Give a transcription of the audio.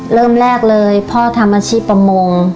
เริ่มแรกเลยพ่อทำอาชีพประมง